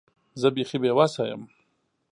زه بیخي بې وسه یم .